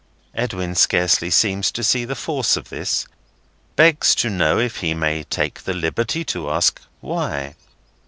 Edwin scarcely seems to see the force of this; begs to know if he may take the liberty to ask why?